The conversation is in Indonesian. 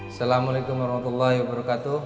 assalamualaikum warahmatullahi wabarakatuh